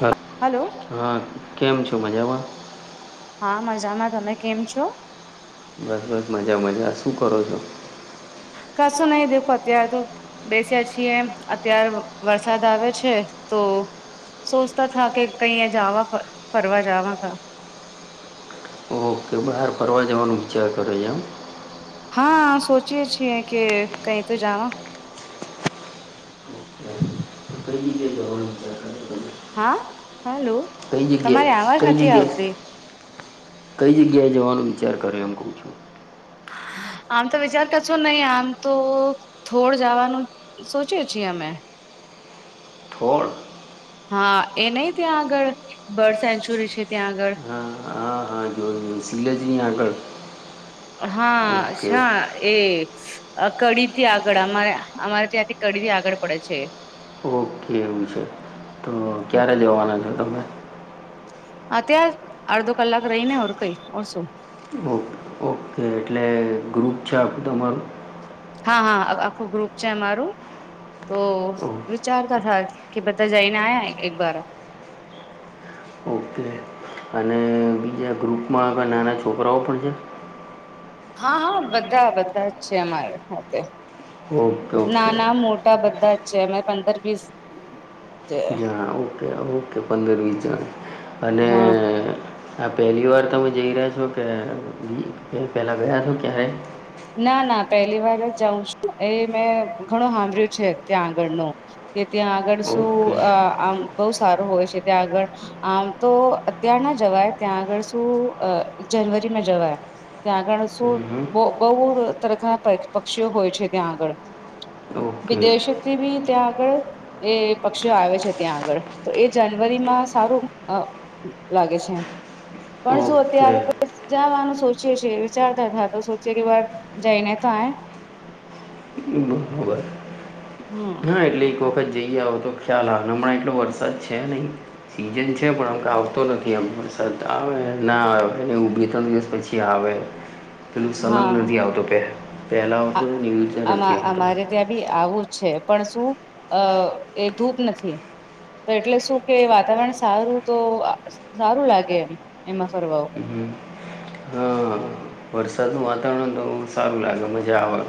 હ હલો હા કેમ છો મજામાં.? હા મજામાં. તમે કેમ છો? બસ બસ મજા મજા. શું કરો છો? કસો નહી દેખાતું આજે. બેસ્યા છીએ, અતાર વરસાદ આવે છે તો સોચતા થા કે કઈ એ જાવા ફરવા જાવા કા ઓકે બહાર ફરવા જવાનું વિચાર કરો છે એમ.? હા સોચીએ છીએ કે કઈ તો જાવા? ઓકે કઈ જગ્યાએ જવાનું વિચાર્યુ તમે.? હા હલો? કઈ જગ્યાએ તમારી આવાજ કઈ નથી જગ્યાએ? આવતી કઈ જગ્યાએ જવાનો વિચાર કર્યો એમ કઉ છું? આમ તો વિચારતા છો નહી, આમ તો થોડ જવાનું સોચીછી આ મેં. ફોણ? હા એ નહ ત્યાં આગળ બર્ડ સેન્ચુરી છે ત્યાં આગળ. હ જો સીલેેજી આગળ હા ઓકે છા એ! અ કડી થી આગળ, અમારે અમારે ત્યાંથી કડી થી આગળ પડે છે. ઓકે એવું છે તો ક્યારે જવાના છો તમે? હા ત્યાં અડધો કલાક રહીને ઓર કઈ ઓર શું? ઓકે ઓકે એટલે ગ્રુપ છે આપણું તમારું? હા હા આખું ગ્રુપ છે અમારું. તો ઓ વિચારતા થાય કે બધા જઈને આ્યા એક બાર ઓકે અને બીજા ગ્રુપમાં નાના છોકરાઓ પણ છે.? હા બધા બધા જ છે અમારી ખાતે ઓકે ઓકે નાના મો ટા બધા અચા પંદર વીસ ત્યાં ઓકે ઓકે પંદર વીસ જણા અને હા હા પહેલી વાર તમે જઈ રહ્યા છો કે પેલા ગયા છો ક્યારે? ના ના પહેલી વાર જ જાઉં છું. એ મેં ઘણું સાંભળ્યું છે ત્યાં આગળનું, કે ત્યાં આગળ શું ઓકે આમ બહુ સારું હોય છે ત્યાં આગળ આમ તો અત્યાર ના જવાય ત્યાં આગળ શું જનવરીમાં જવાય ત્યાં આગળ શું હમ હમ. બહુ તરખના પક્ષીઓ હોય છે ત્યાં આગળ- ઓકે વિદેશથી ભી ત્યાં આગળ એ પક્ષીઓ આવે છે ત્યાં આગળ, તો એ જાનવરીમાં સારું. લાગે છે. પણ જો ઓકે અત્યારે જવાનું સોચીએીએ વિચારતા થા તો ચેરી વાર જઈને તોાય બરોબર હમ એટલે એક વખત જઈ આવો તો ખ્યાલ હાલ હમણાં એટલો વરસાદ છે નહી સિઝન છે પણ આમ તો આવતો નથી, આમ વરસાદ આવે ના આવે એ એવું બે ત્રણ દિવસ પછી આવે પેલું સંલંગ હા નથી આવતો કે પહેલા આવતો તો એવી રીતે નથી આવતો જ્યાં બી આવું? છે પણ શું? અ એ ધૂપ નથી તો એટલે શું કે વાતાવરણ સારું તો સારું લાગે એમ એમાં ફરવા હ હા [inaudible] વરસાદ નું વાતાવરણ તો સારું લાગે મજા આવે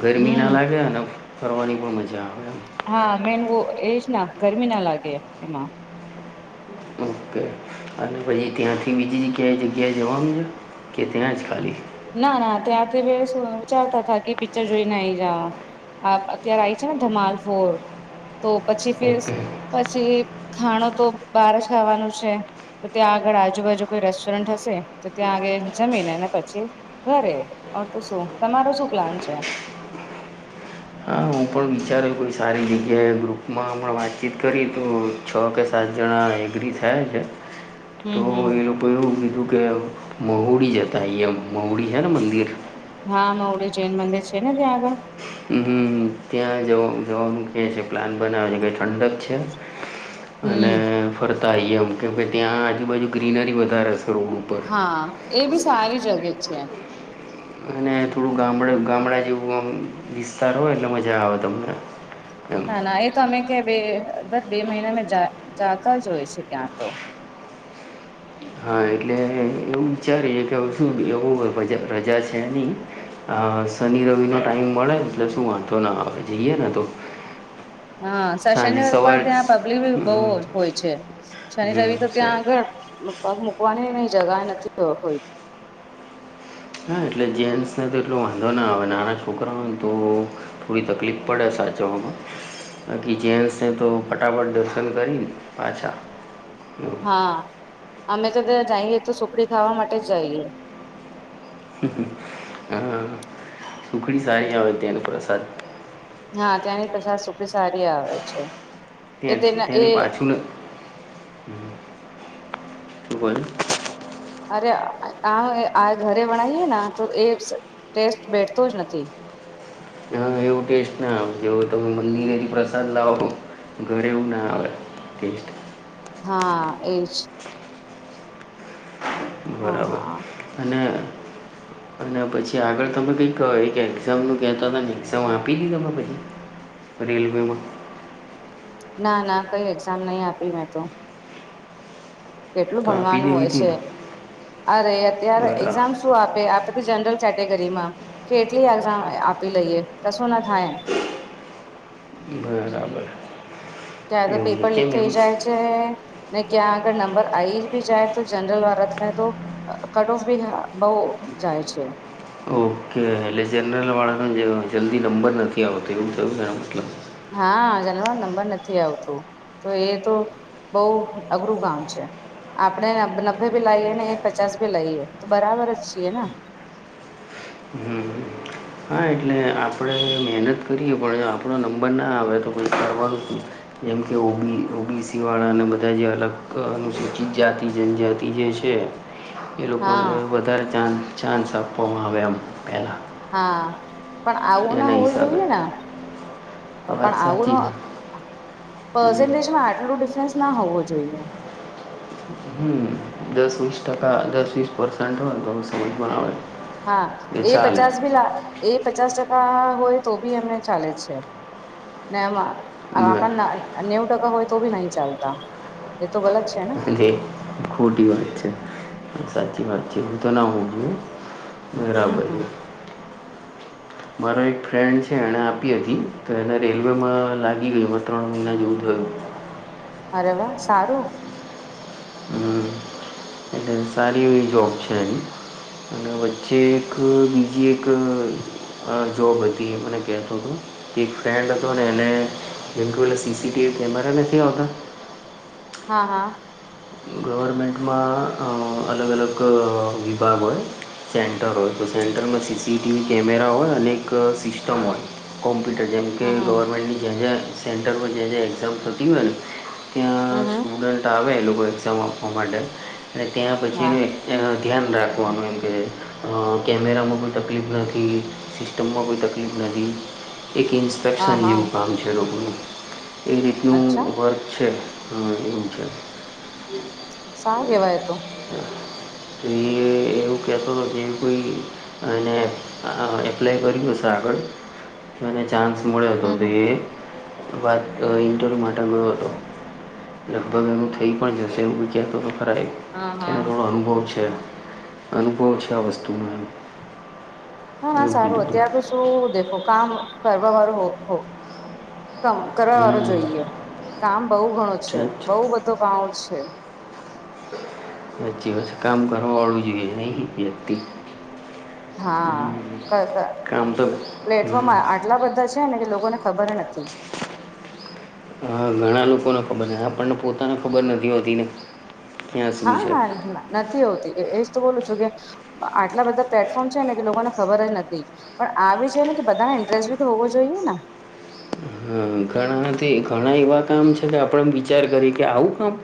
ગરમી ના હમ લાગે અને ફરવાની પણ મજા આવે એમ હા મેન વો એજ ના ગરમી ના લાગે એમાં ઓકે અને પછી ત્યાંથી બીજી જગ્યાએ જગ્યાએ જવાનું છે કે ત્યાં જ ખાલી ના ના ત્યાંથી વિચારતા થા કે પિક્ચર જોઈ ને આઈ જવા નુ આપ અત્યારે આવી જાવ તો જમાલપુર તો પછી ફરી ઓકે પછી ખાણો તો બહાર જ ખાવાનું છે તો ત્યાં આગળ આજુબાજુ કોઈ રેસ્ટોરન્ટ હશે તો ત્યાં આગળ જમીને ને અને પછી ઘરે ઓર તો શું તમારો શું પ્લાન છે હા હું પણ વિચાર કોઈ સારી જગ્યાએ ગ્રુપમાં પણ વાતચીત કરી તો છ કે સાત જણા એગ્રી થયા. થ છે [inaudible] તો હમ હમ એ લોકો એવું કીધું કે મહુડી જતા આઈયે એમ મહુડી છે ને મંદિર હા મહુડી જૈન મંદિર છે ને ત્યાં આગળ હ ત્યાં જ જવાનું કે છે પ્લાન બનાવે છે કે ઠંડક છે અને હમ ફર એમ કેમ ભાઈ ત્યાં આજુબાજુ ગ્રીનરી વધારે હશે રોડ ઉપર હા એ બી સારી જગ્યા છે અને થોડું ગામડે ગામડા જેવું આમ વિસ્તાર હોય એટલે મજા આવે તમને એમ ના ના એ તો અમે કે બે દર બે મહિના મે જાતા જો હોય છે ત્યાં તો હા એટલે એવું વિચારીએ કે હવે શું એવું રજા છે નહી આ શનિ રવિ નો ટાઈમ મળે એટલે શું વાંધો ના આવે જઈએ ને તો હા સશન સાંજે સવાર પણ ત્યાં પબ્લિક હમ બહુ હોય છે શનિ હમ રવિ તો સર ત્યાં આગળ પગ મૂકવાની ન જગ્યા નથી હોતી ના એટલે જેન્ટ્સને તો એટલો વાંધો ના આવે નાના છોકરાઓને તો થોડી તકલીફ પડે સાચવા માં બાકી જેન્ટ્સને તો ફટાફટ દર્શન કરીને પાછા એવું. હા અમે તો ત્યાં જઈએ તો સુખડી ખાવા માટે જઈએ હ હ [inaudible] હ સુખડી સારી આવે ત્યાં નુ પ્રસાદ હા ત્યાંની પ્રસાદ સુખડી સારી આવે છે એ ત્યાંથી તેના એ ત્યાંથી પાછું ન [unintelligible] શું બ અરે આ આ ઘરે બનાવી એ ને તો એ ટેસ્ટ બેઠતો જ નથી હા એવું ટેસ્ટ ના આવે જવો તમે મંદિરેથી પ્રસાદ લાવો ઘરે એવું ના આવે ટેસ્ટ હા એજ હા બરાબર હા અને અને પછી આગળ તમે કઈ કહો એક્ઝામ નું કહેતા હતા ને એક્ઝામ આપી હતી તમે પછી રેલવેમાં ના ના કઈ એક્ઝામ નહી આપી મેં તો કેટલું તો આપી ભણવાનું હોય દેવી હતી છે ને અરે અત્યારે બરા એક્ઝામસ શું આપે આપણે જનરલ કેટેગરી માં કેટલી એક્ઝામ આપી લઈએ, કશું ના થાય. બરાબર ત્યારે તો એવું છે પેપર લીક કેમ એમ થઇ જાય છે. ને ક્યા આગળ નંબર આઈ ભી જાય તો જનરલ વાળાને તો અ કટ ઓફ બી બહુ જાય છે. ઓકે એટલે જનરલવાળાનો જ જલ્દી નંબર નથી આવતો, એવું થયું ને એનો મતલબ હા જનરલ નંબર નથી આવતો. તો એ તો બઉ અઘરું કામ છે. આપણે નબે ભી લાઈએ ને એક પચાસ ભી લાઈએ તો બરાબર જ છીએ ને હમ હ હા એટલે આપણે મહેનત કરીએ પણ જો આપણો નંબર ના આવે તો પછી કરવાનું શું. જેમ કે ઓબી ઓબીસી વાળા અને બધા જે અલગ અનુસૂચિત જાતિ જનજાતિ જે છે. એ લોકોને હા વધારે ચાન ચાન્સ આપવામાં આવ એમ પહેલા. હા. પણ આવું ના હોવું હિસાબે જોઈએ ને તો વાત પણ આવું સાચી ન છે પર્સેન્ટેજમાં આટલું ડિફરન્સ ના હોવો જોઈએ. હમ દસ વીસ ટકા દસ વીસ પર્સેંટ હોય તો સમજ પણ આવે. હા કે એ ચાલે પચાસ ભી લા એ પચાસ ટકા હોય તો બી એમને ચાલે છે ને એમાં- બરાબર આપણ ને નેવું ટકા હોય તો બી નહી ચાલતા. એ તો ગલત છે. ને એ ખોટી વાત છે સાચી વાત જેઉ તો ના હોવું જોઇએ બરાબર હમ [unintelligible] મારો એક ફ્રેન્ડ છે એને આપી હતી તો એને રેલવેમાં લાગી ગયુ ત્રણ મહિના જેવું થયુ. અરે વાહ સારું. હમ. એટલે સારી એવી જોબ છે એની. અને વચ્ચે એક બીજી એક અ જોબ હતી મને કેહતો હતો એક ફ્રેન્ડ હતો ને એને જેમ કે પેલા સીસીટીવી કેમેરા નથી, આવતા હા હા ગવર્મેન્ટમાં અ અલગ અલગ વિભાગ હોય સેન્ટર હોય તો સેન્ટરમાં સીસીટીવી કેમેરા હોય અને એક સિસ્ટમ હોય કોમ્પ્યુટર જેમ કે હમ હમ ગવર્મેન્ટની જ્યાં જ્યાં સેન્ટર પર જ્યાં જ્યાં એક્ઝામ થતી હોય ને ત્યાં હમ હમ સ્ટુડન્ટ આવે એ લોકો એક્ઝામ આપવા માટે અને ત્યાં પછી હા એનું ત્યાં ધ્યાન રાખવાનું એમ કે અ કેમેરામાં કોઈ તકલીફ નથી સિ ટુંકમાં કોઈ તકલીફ નથી એક ઇન્સ હા ફેક્શન હા જેવું કામ છે લોકોનું એ રીતનું અચ્છા વર્ક છે. હા એમ છે. હમ. સાવ કેેવા એ તો. એ [unintelligible] એવું કહેતો હતો કે એવી કોઈ એને એ એપ્લાય કર્યું હશે આગળ મને ચાન્સ મળ્યો હતો, હમ તો હમ એ વાત ઇન્ટરવ્યૂ માટે મળ્યો હતો લગભગ એનું થઈ. પણ જશે એવું બી કેહતો હતો ખરા એ હા એનો હા થોડો અનુભવ છે અનુભવ છે આ વસ્તુનો એમ હ ના એવું સારું કીધું હતું અત્યારે તો શું દેખો કામ કરવા વાળું હો [unintelligible] કરવા વાળું હમ જોઈએ કામ બઉ ઘણું છે સાચ બઉ બધુ કામ છે સાચી વાત છ કામ કરવા વાળું જોઈએ નહિ કે વ્યક્તિ હા [unintelligible] હમ કામ તો હમ પ્લેટફોર્મ આટલા બધા [unintelligible] ને કે લોકો ને ખબર નથી હા ઘણા લોકોને ખબર આ પણણને પોતાને ખબર નથી હોતી ને. ક્યાં શું હા છે હા નથી આવતી એજ તો બોલું છું કે. આટલા બધા પ્લેટફોર્મ છે ને કે લોકોને ખબર જ નથી. પણ આવી જોઈ ને કે બધાને ઇન્ટરેસ્ટ બી તો હોવો જોઈએ ને. હહમ્મ ઘણાથી ઘણા એવા કામ છે કે આપણે વિચાર કરી કે આવું કામ.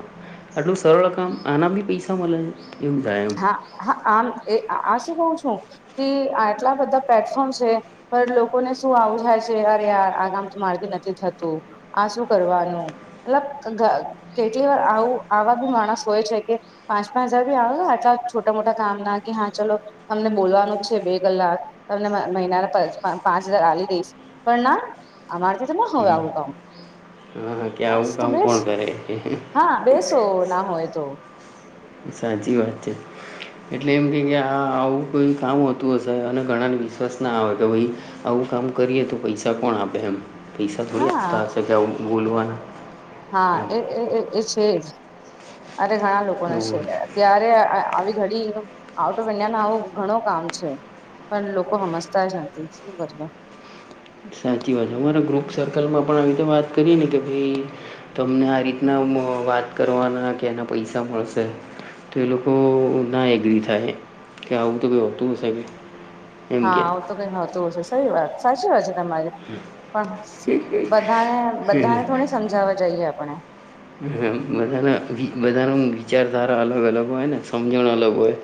આટલું સરળ કામ આના બી પૈસા મળે એમ જાય એ. હા હા આમ આ શું કવ છું કે આ આટલા બધા પ્લેટફોર્મ છે. પણ લોકોને શું આવું થાય છે અરે આ ગામ તો માર્ગ નથી થતું. આ શું કરવાનું. મતલબ કેટલી વાર આવું આવા બી માણસ હોય છે કે પાંચ પાંચ હજાર બી આવે. છોટા મોટા કામ ના કે હા ચલો. તમને બોલવાનું જ છે બે કલાક તમને મહિના પાંચ હજાર આવી દઈશ. પણ ના. અમારથી તો ના હોય હમ. આવું હા કે કામસ આવું તો કામ બેસ કોણ કરે હા. બેસો ના હોય તો. સાચી વાત છે. એટલે એમ કે કે આ આવું કોઈ કામતું હશે અને ઘણાને વિશ્વાસ ના આવે કે ભાઈ. આવું કામ કરીએ તો પૈસા કોણ આપે એમ પૈસા થોડી હા આપતા હશે કે આવ બોલવાના. હા એમ એ એ છે જ અરે ઘણા લોકોને એવું હોય છેય. ત્યારે આવી ઘડી આઉટ ઓફ ઈન્ડિયા ન આવું ઘણું કામ છે. પણ લોકો સમજતા જ નથી શું કરએ. સાચી વાત છે અમારા ગ્રુપ સર્કલમાં પણ આવી રીતે વાત કરીએ ને કે ભાઈ. તમને આ રીતના વાત કરવાના કે એના પૈસા મળશે. તો એ લોકો ના એગ્રી થાય કે આવું તો કોઈ હોતું હશે કે. એમ હા કે આવું તો કઈ નહતું હશે સારી વાત સાચી વાત છે તમારી. પણ બધાને બધાને થોડી સમજાવવા જઈએ આપણે. હ બધાના બધાના વિચારધારા અલગ અલગ હોય ને સમજણ અલગ હોય.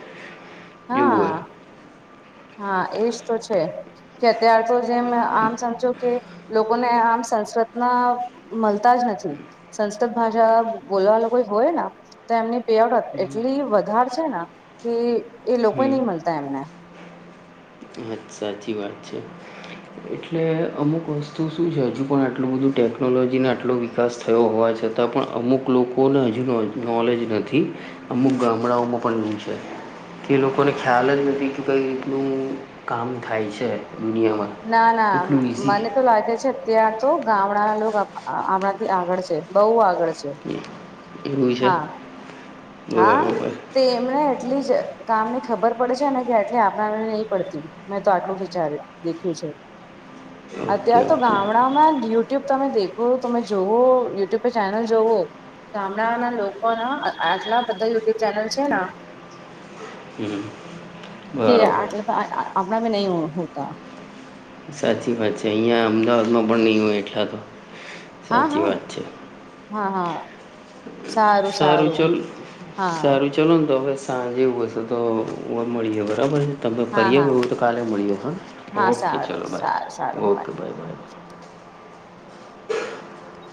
[inaudible] હા. હા એજ તો છે કે અત્યાર તો જેમ આમ સમજો કે. લોકોને આમ સંસ્કૃતના મળતા જ નથી. સંસ્કૃત ભાષા બોલવા વા કોઈ હોય. તો એમની પેઆઉટ એટલી વધારે છે ને કે એ લોકો હમ નહી મળતા એમને. હા સાચી વાત છે. એટલે અમુક વસ્તુ શું છે હજુ પણ આટલું બધું ટેકનોલોજીને આટલો. વિકાસ થયો હોવા છતાં પણ અમુક લોકોને હજુનો નોલેજ નથી. અમુક ગામડાઓમાં પણ છે. કે લોકોને ખ્યાલ જ નથી કે ભાઈ રીતનું કામ થાય છે દુનિયામાં. ના ના એટલું મને તો ઇઝી લાગે છે. ત્યાં તો ગામડા લોકો હમણાં થી આગળ છે બહુ આગળ છે. કેવું છે. હા હા બરાબર તો એમને એટલી જ કામ ની ખબર પડશે ને કે એટલી આપણાને નહી પડતી. મેં તો આટલું વિચારે દેખ્યું છે ઓકે અત્યારે તો ઓકે ગામડામાં. યુટ્યુબ તમે દેખો તમે જોવો યુટ્યુબ પર ચેનલ જોવો. ગામડાના લોકો ના આટલા બધા યુટ્યુબ ચેનલ છે ને. હમ કે બરાબર આટલા તો આપણા બ નહી હોતા. સાચી વાત છે અહીંયા અમદાવાદમાં પણ નહીં હોય એટલા તો. હા સાચી હા વાત છે હા હા. સારું સારું હા. ચાલલો ને તો હવે સાંજેવું હશે તો મળી જ બરાબર છે. તમે હા ફરીઓ હા હવું તો કાલે મળી્યો હા ઓકે સારું ચલોો બાય સારું સારું ઓકે બાય બાય.